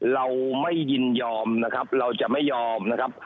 เราไม่ยินยอมนะครับเราจะไม่ยอมนะครับ